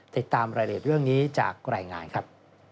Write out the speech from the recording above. ติดตามรายละเอียดเรื่องนี้จากรายงานครับ